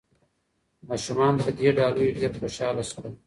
ماشومان په دې ډالیو ډېر خوشاله شول.